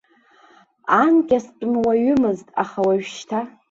Анкьа стәымуаҩымызт, аха уажәшьҭа.